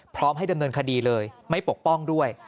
ให้ดำเนินคดีเลยไม่ปกป้องด้วย